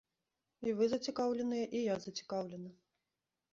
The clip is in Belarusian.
І вы зацікаўленыя, і я зацікаўлена.